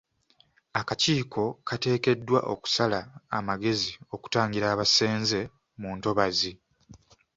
Akakiiko kateekeddwa okusala amagezi okutangira abasenze mu ntobazi.